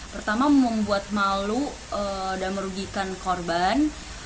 pertama membuat malu dan merugikan korban